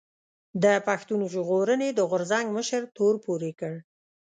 د پښتون ژغورنې د غورځنګ مشر تور پورې کړ